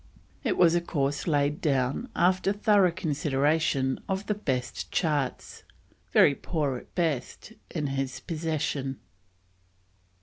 It was a course laid down after thorough consideration of the best charts, very poor at best, in his possession.